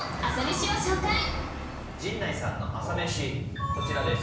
陣内さんの朝メシこちらです。